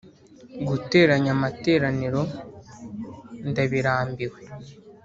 guteranya amateraniro ndabirambiwe,